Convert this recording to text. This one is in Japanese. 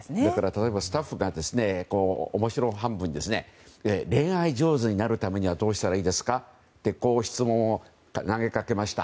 例えばスタッフが面白半分で恋愛上手になるためにはどうしたらいいですか？って質問を投げかけました。